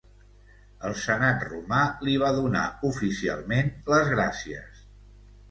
El senat romà li va donar oficialment les gràcies.